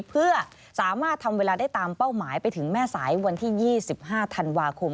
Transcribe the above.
เพื่อสามารถทำเวลาได้ตามเป้าหมายไปถึงแม่สายวันที่๒๕ธันวาคม